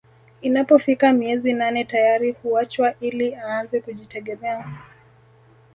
Inapofika miezi nane tayari huachwa ili aanze kujitegemea